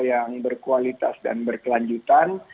yang berkualitas dan berkelanjutan